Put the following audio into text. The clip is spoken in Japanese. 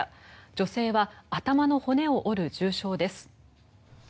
女性は頭の骨を折る重傷です。